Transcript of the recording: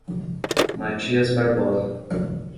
Matias Barbosa